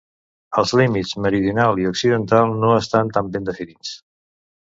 Els límits meridional i occidental no estan tan ben definits.